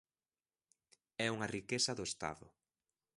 É unha riqueza do Estado.